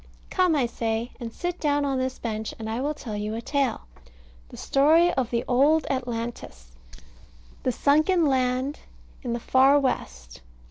Come, I say, and sit down on this bench, and I will tell you a tale, the story of the Old Atlantis, the sunken land in the far West.